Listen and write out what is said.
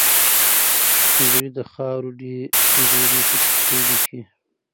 دوی د خاورو ډېري ته کيسې ليکي.